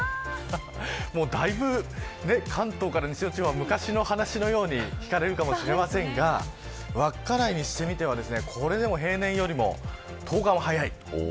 だいぶ関東から西の地方は昔の話のように聞かれるかもしれませんが稚内にしてみては、これでも平年よりも１０日も早い。